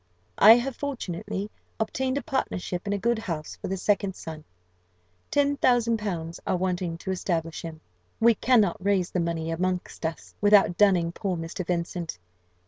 I have fortunately obtained a partnership in a good house for the second son. Ten thousand pounds are wanting to establish him we cannot raise the money amongst us, without dunning poor Mr. Vincent.